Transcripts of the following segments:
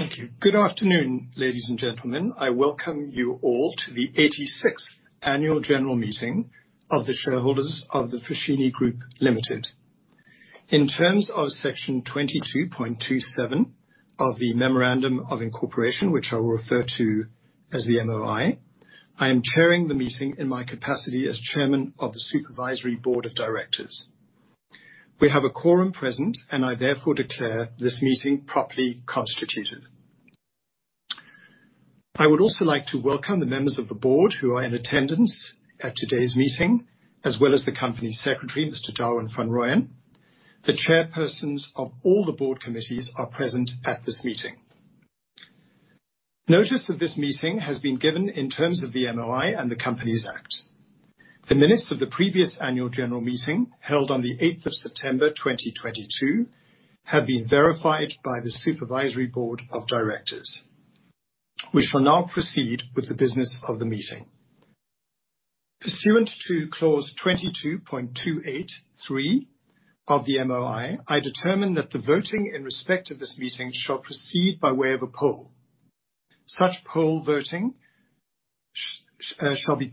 Thank you. Good afternoon, ladies and gentlemen. I welcome you all to the 86th annual general meeting of the shareholders of The Foschini Group Limited. In terms of Section 22.27 of the Memorandum of Incorporation, which I will refer to as the MOI, I am chairing the meeting in my capacity as chairman of the Supervisory Board of Directors. We have a quorum present, and I therefore declare this meeting properly constituted. I would also like to welcome the members of the board who are in attendance at today's meeting, as well as the Company Secretary, Mr. Darwin van Rooyen. The chairpersons of all the board committees are present at this meeting. Notice of this meeting has been given in terms of the MOI and the Companies Act. The minutes of the previous annual general meeting, held on the 8th of September 2022, have been verified by the Supervisory Board of Directors. We shall now proceed with the business of the meeting. Pursuant to Clause 22.283 of the MOI, I determine that the voting in respect of this meeting shall proceed by way of a poll. Such poll voting shall be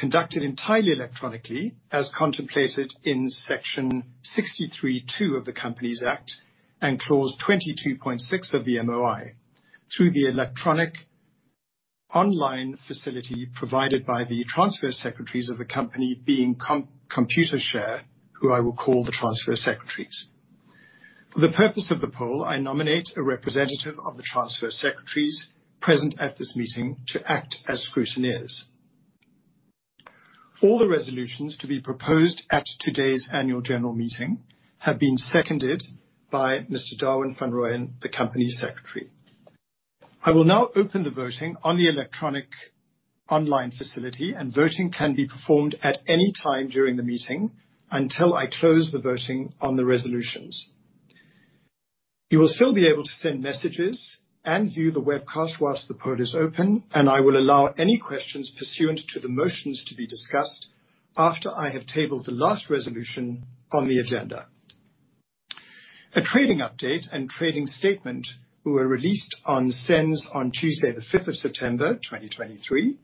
conducted entirely electronically, as contemplated in Section 63(2) of the Companies Act and Clause 22.6 of the MOI, through the electronic online facility provided by the transfer secretaries of the company, being Computershare, who I will call the transfer secretaries. For the purpose of the poll, I nominate a representative of the transfer secretaries present at this meeting to act as scrutineers. All the resolutions to be proposed at today's annual general meeting have been seconded by Mr. Darwin van Rooyen, the company secretary. I will now open the voting on the electronic online facility, and voting can be performed at any time during the meeting until I close the voting on the resolutions. You will still be able to send messages and view the webcast while the poll is open, and I will allow any questions pursuant to the motions to be discussed after I have tabled the last resolution on the agenda. A trading update and trading statement were released on SENS on Tuesday, the 5th of September, 2023.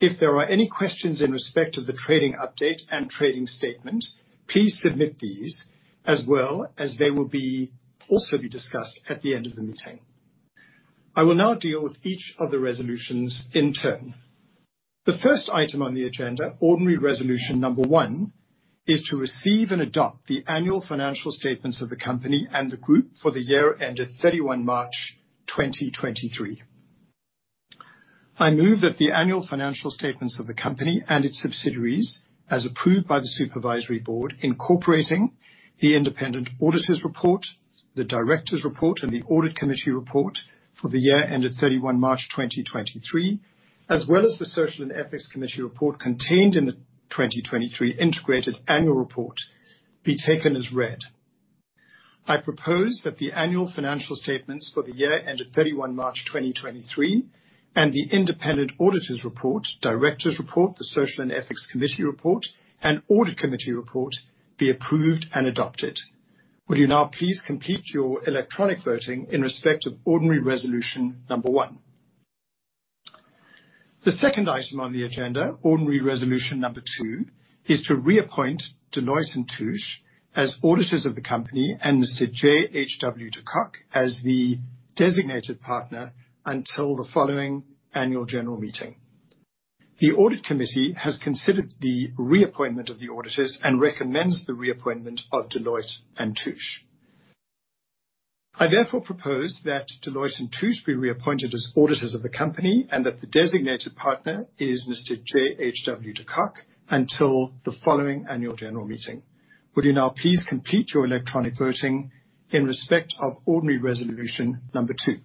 If there are any questions in respect to the trading update and trading statement, please submit these as well, as they will be also be discussed at the end of the meeting. I will now deal with each of the resolutions in turn. The first item on the agenda, ordinary resolution number one, is to receive and adopt the annual financial statements of the company and the group for the year ended 31 March 2023. I move that the annual financial statements of the company and its subsidiaries, as approved by the Supervisory Board, incorporating the independent auditor's report, the directors' report, and the Audit Committee report for the year ended 31 March 2023, as well as the Social and Ethics Committee report contained in the 2023 Integrated Annual Report, be taken as read. I propose that the annual financial statements for the year ended 31 March 2023 and the independent auditors' report, directors' report, the Social and Ethics Committee report, and Audit Committee report be approved and adopted. Will you now please complete your electronic voting in respect of ordinary resolution number one? The second item on the agenda, ordinary resolution number two, is to reappoint Deloitte & Touche as auditors of the company and Mr. J.H.W. de Kock as the designated partner until the following annual general meeting. The audit committee has considered the reappointment of the auditors and recommends the reappointment of Deloitte & Touche. I therefore propose that Deloitte & Touche be reappointed as auditors of the company and that the designated partner is Mr. J.H.W. de Kock until the following annual general meeting. Would you now please complete your electronic voting in respect of ordinary resolution number two?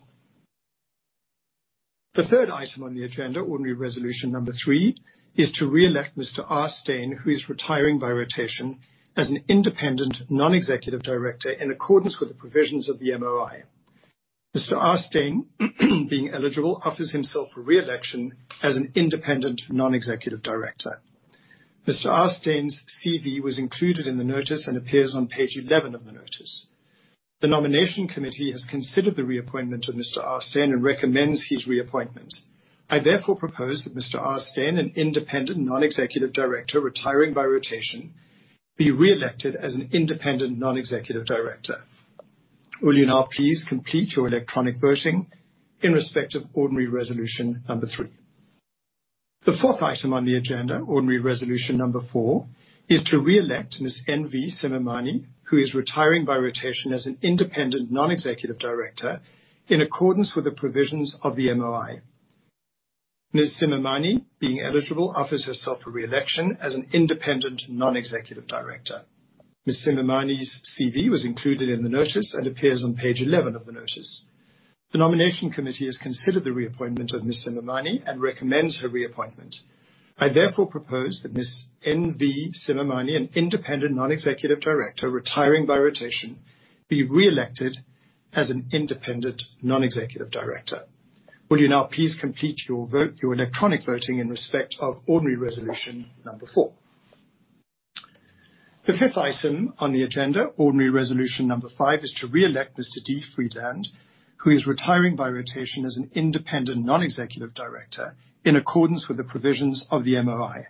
The third item on the agenda, ordinary resolution number three, is to re-elect Mr. R. Steyn, who is retiring by rotation as an independent, non-executive director, in accordance with the provisions of the MOI. Mr. R. Steyn, being eligible, offers himself for re-election as an independent, non-executive director. Mr. R. Steyn's CV was included in the notice and appears on page 11 of the notice. The nomination committee has considered the reappointment of Mr. R. Steyn and recommends his reappointment. I therefore propose that Mr. R. Steyn, an independent, non-executive director retiring by rotation, be re-elected as an independent, non-executive director. Will you now please complete your electronic voting in respect of ordinary resolution number three? The fourth item on the agenda, ordinary resolution number four, is to re-elect Ms. N.V. Simamane, who is retiring by rotation as an independent, non-executive director, in accordance with the provisions of the MOI. Ms. Simamane, being eligible, offers herself for re-election as an independent, non-executive director. Ms. Simamane's CV was included in the notice and appears on page 11 of the notice. The nomination committee has considered the reappointment of Ms. Simamane and recommends her reappointment. I therefore propose that Ms. N.V. Simamane, an independent, non-executive director retiring by rotation, be re-elected as an independent, non-executive director. Will you now please complete your vote, your electronic voting in respect of ordinary resolution number four? The fifth item on the agenda, ordinary resolution number five, is to re-elect Mr. D. Friedland, who is retiring by rotation as an independent non-executive director, in accordance with the provisions of the MOI.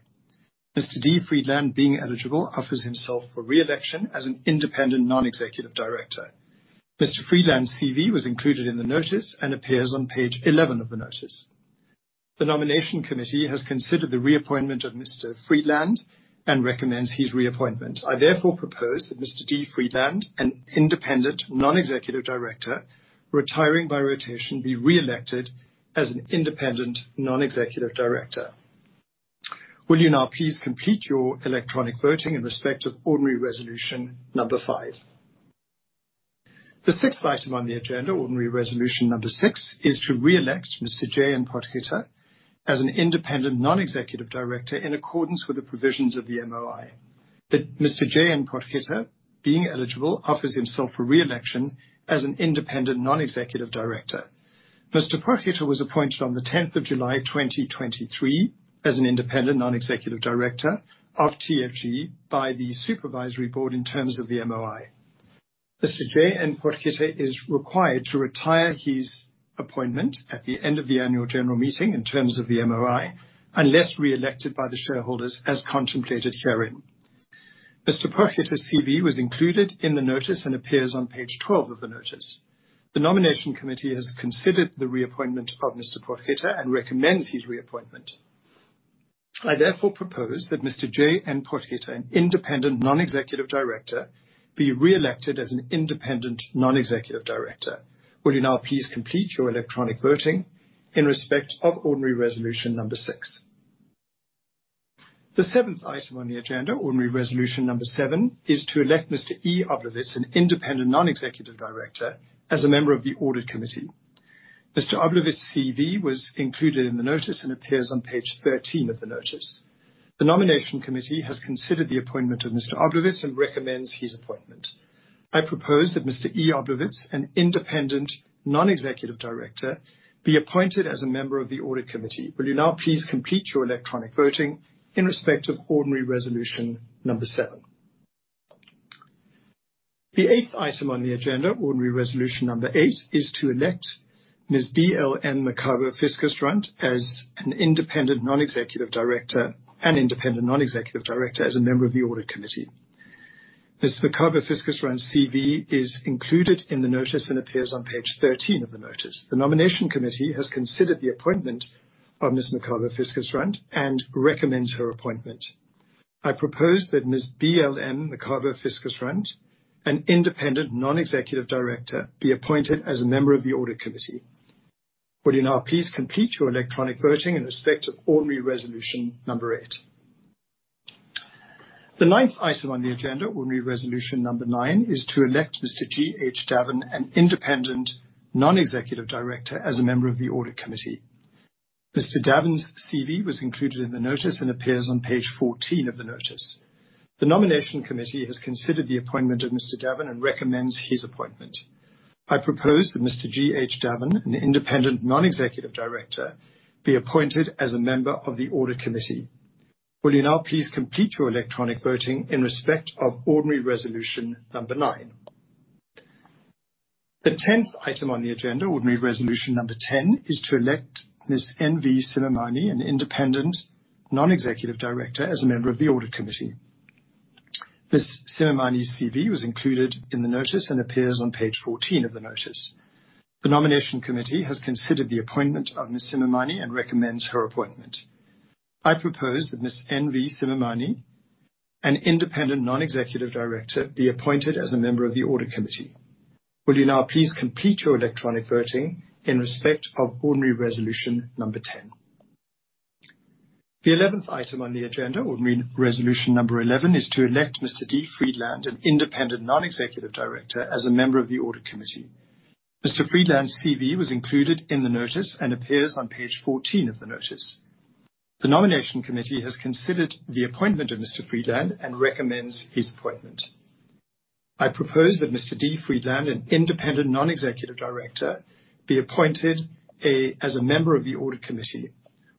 Mr. D. Friedland, being eligible, offers himself for re-election as an independent non-executive director. Mr. Friedland's CV was included in the notice and appears on page 11 of the notice. The nomination committee has considered the reappointment of Mr. Friedland and recommends his reappointment. I therefore propose that Mr. David Friedland, an independent non-executive director, retiring by rotation, be re-elected as an independent non-executive director. Will you now please complete your electronic voting in respect of ordinary resolution number five? The 6th item on the agenda, ordinary resolution number six, is to re-elect Mr. J.N. Potgieter as an independent non-executive director in accordance with the provisions of the MOI, that Mr. J.N. Potgieter, being eligible, offers himself for re-election as an independent non-executive director. Mr. Potgieter was appointed on the 10th of July, 2023, as an independent non-executive director of TFG by the Supervisory Board in terms of the MOI. Mr. J.N. Potgieter is required to retire his appointment at the end of the annual general meeting in terms of the MOI, unless re-elected by the shareholders as contemplated herein. Mr. Potgieter's CV was included in the notice and appears on page 12 of the notice. The nomination committee has considered the reappointment of Mr. Potgieter and recommends his reappointment. I therefore propose that Mr. J.N. Potgieter, an independent non-executive director, be re-elected as an independent non-executive director. Will you now please complete your electronic voting in respect of ordinary resolution number six? The seventh item on the agenda, ordinary resolution number seven, is to elect Mr. E. Oblowitz, an independent non-executive director, as a member of the audit committee. Mr. Oblowitz's CV was included in the notice and appears on page 13 of the notice. The nomination committee has considered the appointment of Mr. Oblowitz and recommends his appointment. I propose that Mr. E. Oblowitz, an independent non-executive director, be appointed as a member of the audit committee. Will you now please complete your electronic voting in respect of ordinary resolution number seven? The eighth item on the agenda, ordinary resolution number eight, is to elect Ms. Boitumelo Makgabo-Fiskerstrand as an independent non-executive director, an independent non-executive director as a member of the audit committee. Ms. Makgabo-Fiskerstrand's CV is included in the notice and appears on page 13 of the notice. The nomination committee has considered the appointment of Ms. Makgabo-Fiskerstrand and recommends her appointment. I propose that Ms. Boitumelo Makgabo-Fiskerstrand, an independent non-executive director, be appointed as a member of the audit committee. Will you now please complete your electronic voting in respect of ordinary resolution number eight? The ninth item on the agenda, ordinary resolution number nine, is to elect Mr. G.H. Davin, an independent non-executive director, as a member of the audit committee. Mr. Davin's CV was included in the notice and appears on page 14 of the notice. The nomination committee has considered the appointment of Mr. Davin and recommends his appointment. I propose that Mr. G.H. Davin, an independent non-executive director, be appointed as a member of the audit committee. Will you now please complete your electronic voting in respect of ordinary resolution number nine? The 10th item on the agenda, ordinary resolution number 10, is to elect Ms. N.V. Simamane, an independent non-executive director, as a member of the audit committee. Ms. Simamane's CV was included in the notice and appears on page 14 of the notice. The nomination committee has considered the appointment of Ms. Simamane and recommends her appointment. I propose that Ms. N.V. Simamane, an independent non-executive director, be appointed as a member of the audit committee. Will you now please complete your electronic voting in respect of ordinary resolution number 10? The 11th item on the agenda, ordinary resolution number 11, is to elect Mr. David Friedland, an independent non-executive director, as a member of the audit committee. Mr. Friedland's CV was included in the notice and appears on page 14 of the notice. The nomination committee has considered the appointment of Mr. Friedland and recommends his appointment. I propose that Mr. David Friedland, an independent non-executive director, be appointed as a member of the audit committee.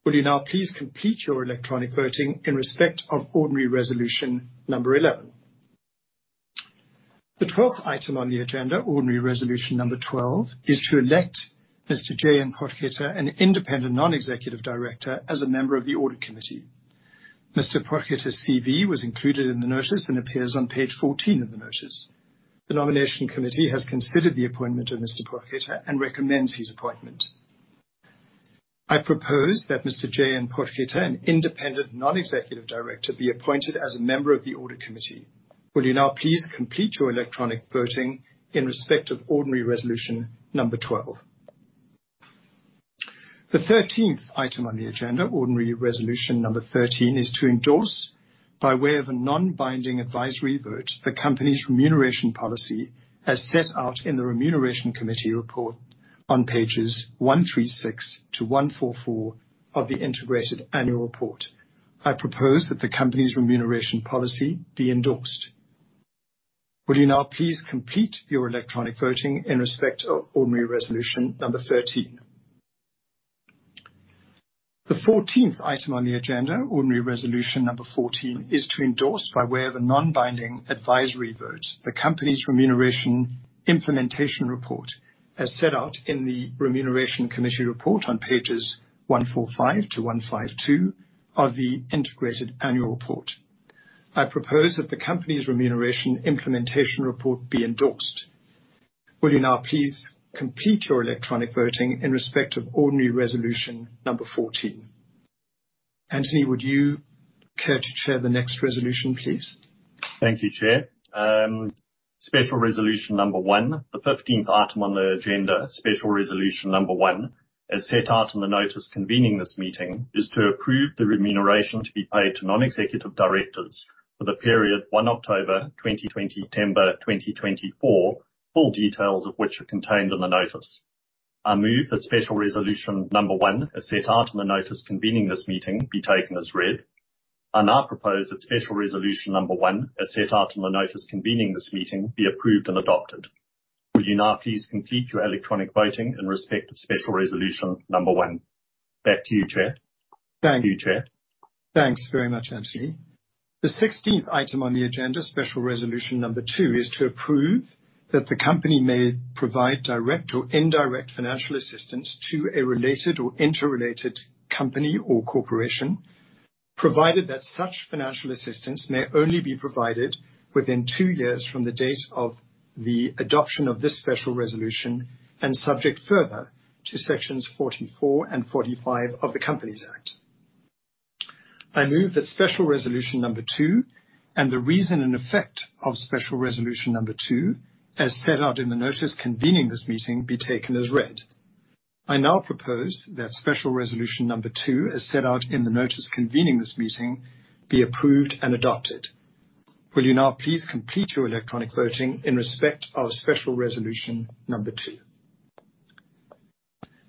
Will you now please complete your electronic voting in respect of ordinary resolution number 11? The 12th item on the agenda, ordinary resolution number 12, is to elect Mr. Jan Potgieter, an independent non-executive director, as a member of the audit committee. Mr. Potgieter's CV was included in the notice and appears on page 14 of the notice. The nomination committee has considered the appointment of Mr. Potgieter and recommends his appointment. I propose that Mr. Jan Potgieter, an independent non-executive director, be appointed as a member of the audit committee. Will you now please complete your electronic voting in respect of ordinary resolution number 12? The 13 item on the agenda, ordinary resolution number 13, is to endorse, by way of a non-binding advisory vote, the company's remuneration policy as set out in the Remuneration Committee report on pages 136 to 144 of the integrated annual report. I propose that the company's remuneration policy be endorsed. Will you now please complete your electronic voting in respect of ordinary resolution number 13? The 14 item on the agenda, ordinary resolution number 14, is to endorse, by way of a non-binding advisory vote, the company's remuneration implementation report, as set out in the Remuneration Committee report on pages 145 to 152 of the integrated annual report. I propose that the company's remuneration implementation report be endorsed. Will you now please complete your electronic voting in respect of ordinary resolution number 14? Anthony, would you care to chair the next resolution, please? Thank you, Chair. Special resolution number one, the 15th item on the agenda, special resolution number one, as set out in the notice convening this meeting, is to approve the remuneration to be paid to non-executive directors for the period 1 October 2020, September 2024. Full details of which are contained in the notice. I move that special resolution number one, as set out in the notice convening this meeting, be taken as read. I now propose that special resolution number one, as set out in the notice convening this meeting, be approved and adopted. Will you now please complete your electronic voting in respect of special resolution number one? Back to you, Chair. Thank you, Chair. Thanks very much, Anthony. The 16th item on the agenda, special resolution number two, is to approve that the company may provide direct or indirect financial assistance to a related or interrelated company or corporation, provided that such financial assistance may only be provided within two years from the date of the adoption of this special resolution, and subject further to sections 44 and 45 of the Companies Act. I move that special resolution number two, and the reason and effect of special resolution number two, as set out in the notice convening this meeting, be taken as read. I now propose that special resolution number two, as set out in the notice convening this meeting, be approved and adopted. Will you now please complete your electronic voting in respect of special resolution number two?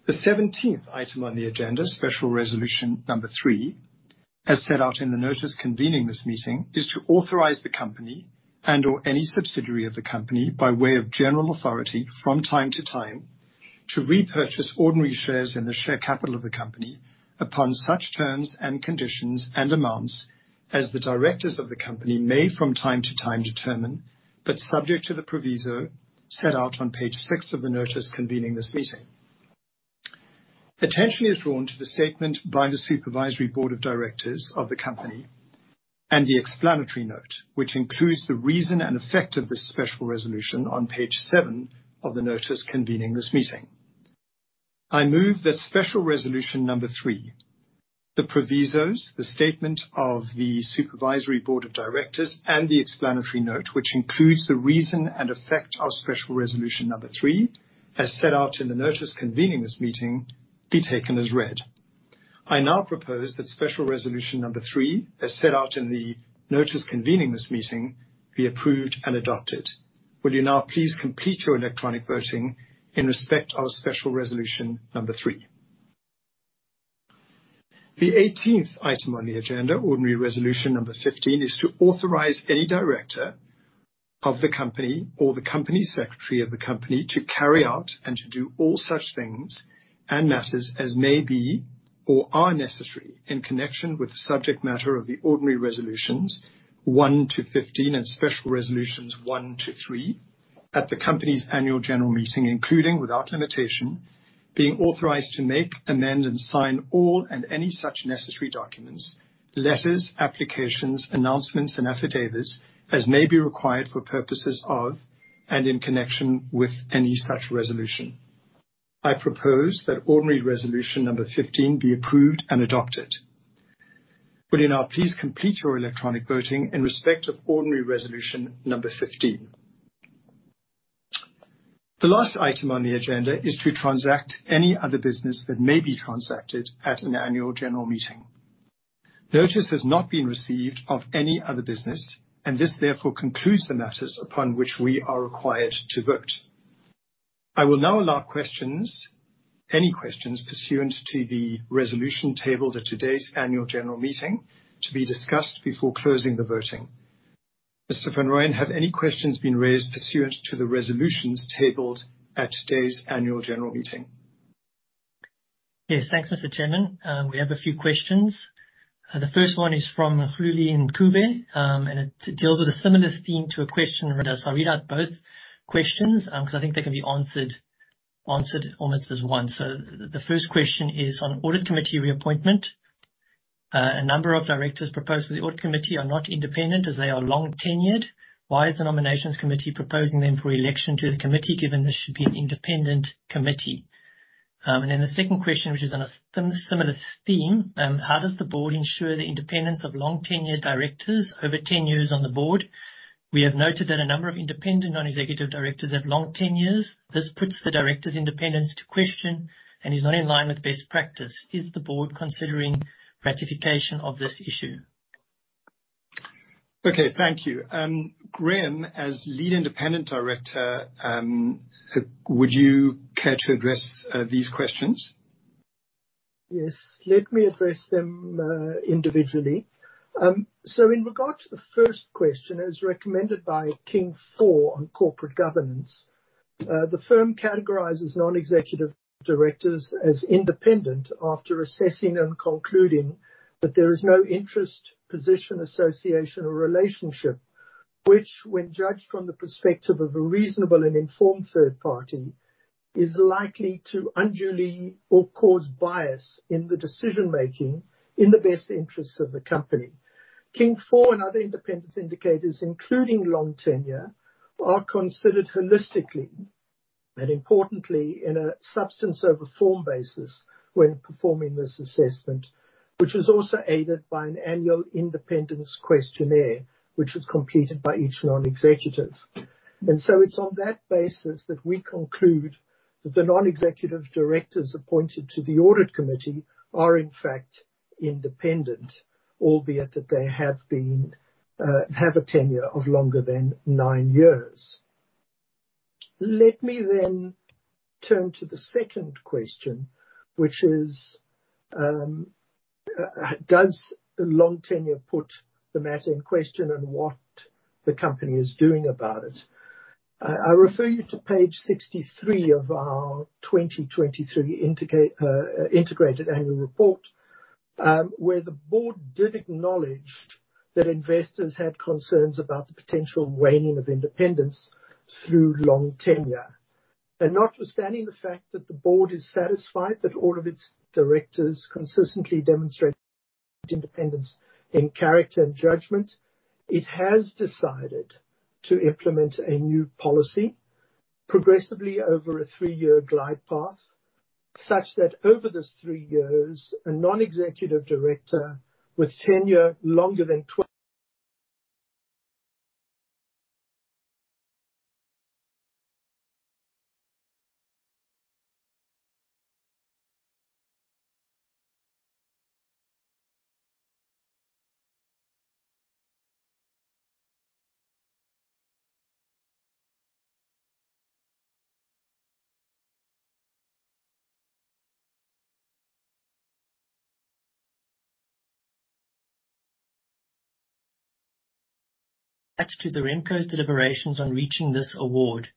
The 17th item on the agenda, special resolution number three, as set out in the notice convening this meeting, is to authorize the company and/or any subsidiary of the company, by way of general authority from time to time, to repurchase ordinary shares in the share capital of the company upon such terms and conditions and amounts as the directors of the company may from time to time determine, but subject to the proviso set out on page six of the notice convening this meeting. Attention is drawn to the statement by the Supervisory Board of Directors of the company and the explanatory note, which includes the reason and effect of this special resolution on page seven of the notice convening this meeting. I move that special resolution number three, the provisos, the statement of the Supervisory Board of Directors, and the explanatory note, which includes the reason and effect of special resolution number three, as set out in the notice convening this meeting, be taken as read. I now propose that special resolution number three, as set out in the notice convening this meeting, be approved and adopted. Will you now please complete your electronic voting in respect of special resolution number three? The 18th item on the agenda, ordinary resolution number 15, is to authorize any director of the company or the company secretary of the company to carry out and to do all such things and matters as may be or are necessary in connection with the subject matter of the ordinary resolutions one to 15 and special resolutions one-three at the company's annual general meeting, including, without limitation, being authorized to make, amend, and sign all and any such necessary documents, letters, applications, announcements, and affidavits as may be required for purposes of, and in connection with, any such resolution. I propose that ordinary resolution number 15 be approved and adopted. Will you now please complete your electronic voting in respect of ordinary resolution number 15? The last item on the agenda is to transact any other business that may be transacted at an annual general meeting. Notice has not been received of any other business, and this therefore concludes the matters upon which we are required to vote. I will now allow questions, any questions pursuant to the resolution tabled at today's annual general meeting to be discussed before closing the voting. Mr. van Rooyen, have any questions been raised pursuant to the resolutions tabled at today's annual general meeting? Yes. Thanks, Mr. Chairman. We have a few questions. The first one is from Mehluli Ncube, and it deals with a similar theme to a question read out, so I'll read out both questions, because I think they can be answered almost as one. So the first question is on audit committee reappointment. "A number of directors proposed for the audit committee are not independent, as they are long-tenured. Why is the nominations committee proposing them for election to the committee, given this should be an independent committee?" And then the second question, which is on a similar theme: "How does the board ensure the independence of long-tenured directors over 10 years on the board? We have noted that a number of independent non-executive directors have long tenures. This puts the directors' independence to question and is not in line with best practice. Is the board considering ratification of this issue? Okay, thank you. Graham, as Lead Independent Director, would you care to address these questions? Yes, let me address them individually. So in regard to the first question, as recommended by King IV on corporate governance, the firm categorizes non-executive directors as independent after assessing and concluding that there is no interest, position, association, or relationship, which when judged from the perspective of a reasonable and informed third party, is likely to unduly or cause bias in the decision-making in the best interests of the company. King IV and other independent indicators, including long tenure, are considered holistically, and importantly, in a substance-over-form basis when performing this assessment, which is also aided by an annual independence questionnaire, which is completed by each non-executive. And so it's on that basis that we conclude that the non-executive directors appointed to the audit committee are, in fact, independent, albeit that they have a tenure of longer than nine years. Let me then turn to the second question, which is, does long tenure put the matter in question and what the company is doing about it? I refer you to page 63 of our 2023 Integrated Annual Report, where the board did acknowledge that investors had concerns about the potential waning of independence through long tenure. Notwithstanding the fact that the board is satisfied that all of its directors consistently demonstrate independence in character and judgment, it has decided to implement a new policy progressively over a three-year glide path, such that over this three years, a non-executive director with tenure longer than twel- To the RemCo's deliberations on reaching this award.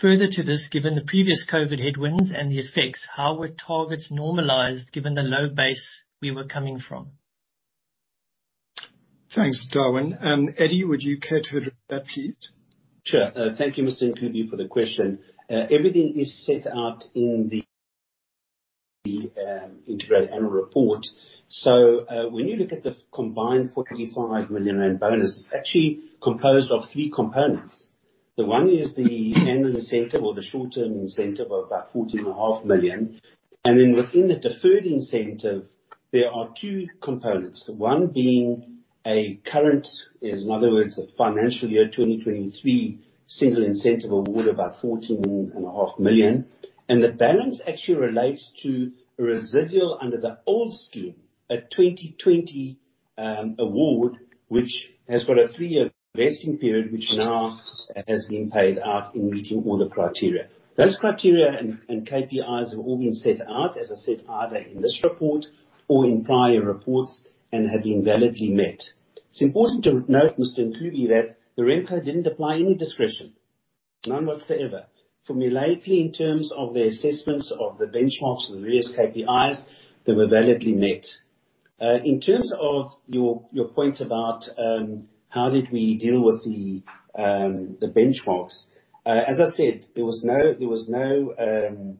Further to this, given the previous COVID headwinds and the effects, how were targets normalized given the low base we were coming from? Thanks, Darwin. Eddy, would you care to address that, please? Sure. Thank you, Mr. Ncube, for the question. Everything is set out in the integrated annual report. So, when you look at the combined 45 million rand bonus, it's actually composed of three components. The one is the annual incentive or the short-term incentive of about 14.5 million. And then within the deferred incentive, there are two components. One being a current... In other words, a financial year 2023 single incentive award, about 14.5 million, and the balance actually relates to a residual under the old scheme, a 2020 award, which has got a three-year vesting period, which now has been paid out in meeting all the criteria. Those criteria and KPIs have all been set out, as I said, either in this report or in prior reports and have been validly met. It's important to note, Mr. Ncube, that the RemCo didn't apply any discretion, none whatsoever. Formally, in terms of the assessments of the benchmarks and the various KPIs, they were validly met. In terms of your point about how did we deal with the benchmarks? As I said, there was no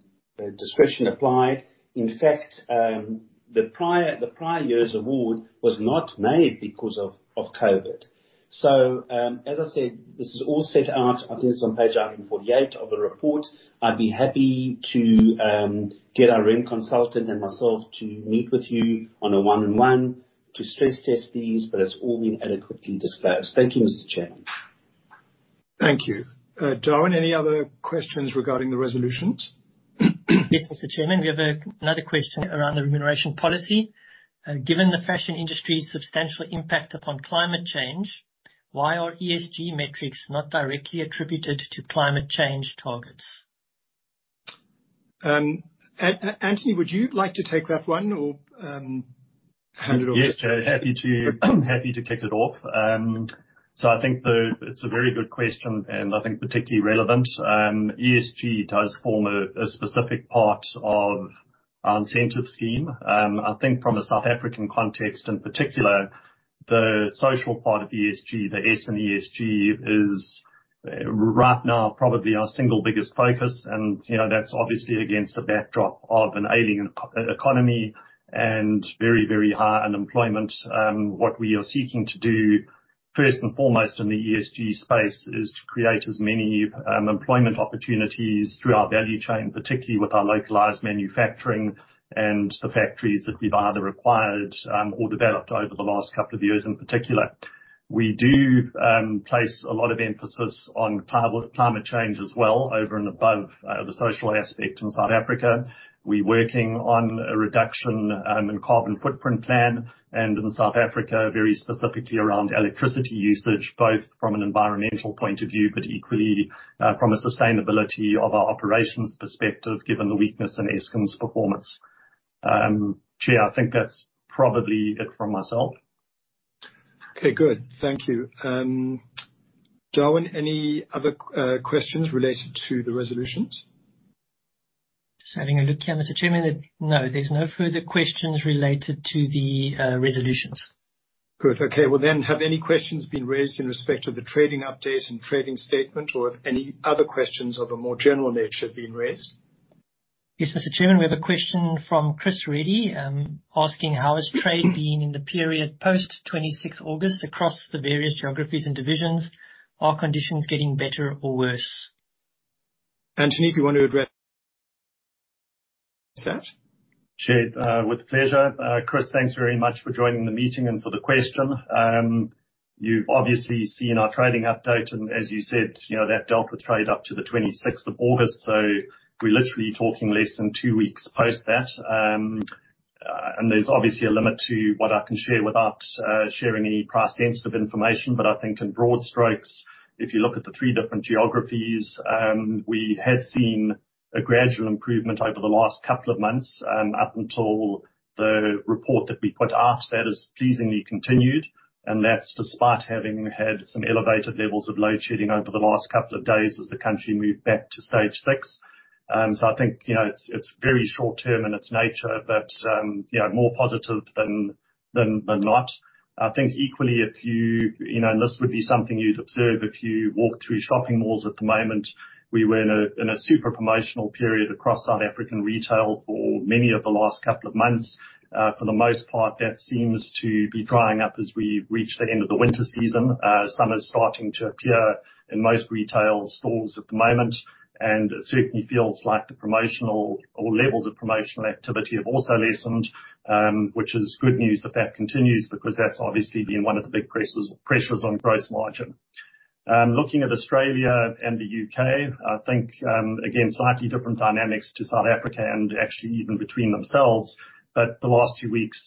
discretion applied. In fact, the prior year's award was not made because of COVID. So, as I said, this is all set out. I think it's on page 948 of the report. I'd be happy to get our RemCo consultant and myself to meet with you on a one-on-one to stress test these, but it's all been adequately disclosed. Thank you, Mr. Chairman. Thank you. Darwin, any other questions regarding the resolutions? Yes, Mr. Chairman, we have another question around the remuneration policy. Given the fashion industry's substantial impact upon climate change, why are ESG metrics not directly attributed to climate change targets? Anthony, would you like to take that one or hand it off? Yes, Chair, happy to kick it off. So I think it's a very good question, and I think particularly relevant. ESG does form a specific part of our incentive scheme. I think from a South African context, in particular, the social part of ESG, the S in ESG, is right now probably our single biggest focus. And, you know, that's obviously against the backdrop of an ailing economy and very, very high unemployment. What we are seeking to do, first and foremost in the ESG space, is to create as many employment opportunities through our value chain, particularly with our localized manufacturing and the factories that we've either acquired or developed over the last couple of years in particular. We do place a lot of emphasis on climate change as well, over and above the social aspect in South Africa. We're working on a reduction in carbon footprint plan, and in South Africa, very specifically around electricity usage, both from an environmental point of view, but equally from a sustainability of our operations perspective, given the weakness in Eskom's performance. Chair, I think that's probably it from myself. Okay, good. Thank you. Darwin, any other questions related to the resolutions? Just having a look here, Mr. Chairman. No, there's no further questions related to the resolutions. Good. Okay. Well, then, have any questions been raised in respect to the trading update and trading statement, or have any other questions of a more general nature been raised? Yes, Mr. Chairman, we have a question from Chris Reddy, asking: "How has trade been in the period post-26th August across the various geographies and divisions? Are conditions getting better or worse? Anthony, do you want to address that? Sure, with pleasure. Chris, thanks very much for joining the meeting, and for the question. You've obviously seen our trading update, and as you said, you know, that dealt with trade up to the 26 of August, so we're literally talking less than two weeks post that. There's obviously a limit to what I can share without sharing any price-sensitive information. But I think in broad strokes, if you look at the three different geographies, we have seen a gradual improvement over the last couple of months, up until the report that we put out. That has pleasingly continued, and that's despite having had some elevated levels of load shedding over the last couple of days as the country moved back to stage six. So I think, you know, it's very short-term in its nature, but, you know, more positive than not. I think equally, if you... You know, and this would be something you'd observe if you walk through shopping malls at the moment, we were in a super promotional period across South African retail for many of the last couple of months. For the most part, that seems to be drying up as we reach the end of the winter season. Summer's starting to appear in most retail stores at the moment, and it certainly feels like the promotional levels of promotional activity have also lessened, which is good news that that continues, because that's obviously been one of the big pressures on gross margin. Looking at Australia and the UK, I think, again, slightly different dynamics to South Africa, and actually even between themselves, but the last few weeks,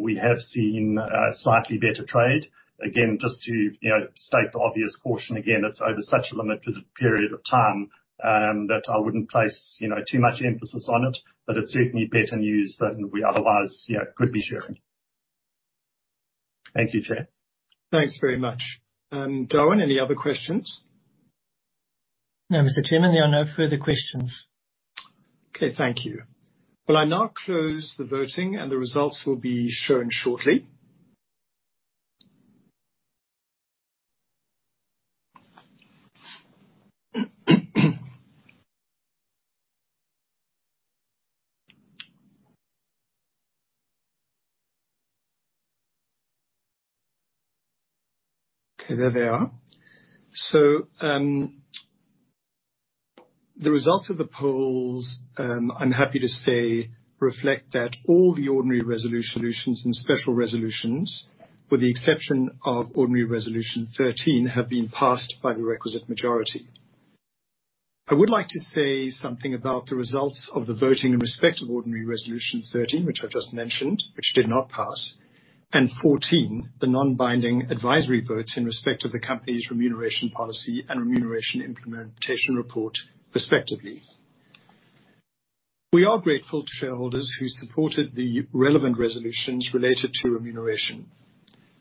we have seen, slightly better trade. Again, just to, you know, state the obvious caution again, it's over such a limited period of time, that I wouldn't place, you know, too much emphasis on it, but it's certainly better news than we otherwise, you know, could be sharing. Thank you, chair. Thanks very much. Darwin, any other questions? No, Mr. Chairman, there are no further questions. Okay, thank you. Well, I now close the voting, and the results will be shown shortly. Okay, there they are. So, the results of the polls, I'm happy to say, reflect that all the ordinary resolutions and special resolutions, with the exception of ordinary Resolution 13, have been passed by the requisite majority. I would like to say something about the results of the voting in respect of ordinary Resolution 13, which I just mentioned, which did not pass, and 14, the non-binding advisory votes in respect of the company's remuneration policy and remuneration implementation report, respectively. We are grateful to shareholders who supported the relevant resolutions related to remuneration.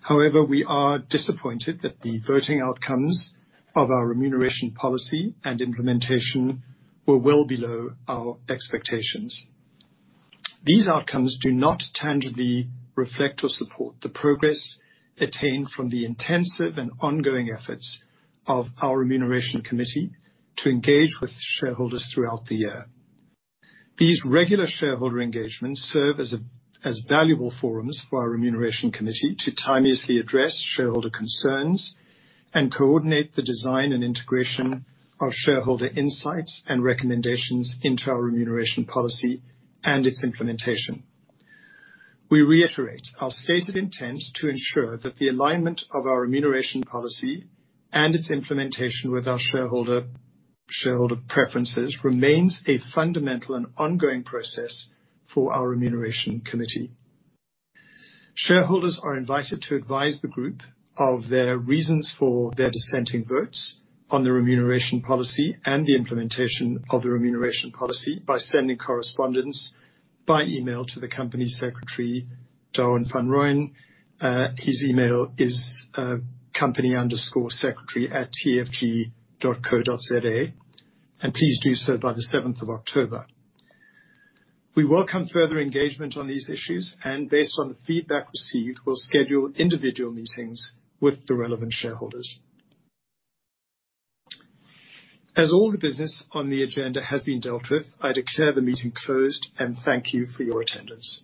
However, we are disappointed that the voting outcomes of our remuneration policy and implementation were well below our expectations. These outcomes do not tangibly reflect or support the progress attained from the intensive and ongoing efforts of our remuneration committee to engage with shareholders throughout the year. These regular shareholder engagements serve as, as valuable forums for our remuneration committee to timeously address shareholder concerns and coordinate the design and integration of shareholder insights and recommendations into our remuneration policy and its implementation. We reiterate our stated intent to ensure that the alignment of our remuneration policy, and its implementation with our shareholder, shareholder preferences, remains a fundamental and ongoing process for our remuneration committee. Shareholders are invited to advise the group of their reasons for their dissenting votes on the remuneration policy and the implementation of the remuneration policy by sending correspondence by email to the company secretary, Darwin van Rooyen. His email is, company_secretary@tfg.co.za, and please do so by the seventh of October. We welcome further engagement on these issues, and based on the feedback received, we'll schedule individual meetings with the relevant shareholders. As all the business on the agenda has been dealt with, I declare the meeting closed, and thank you for your attendance.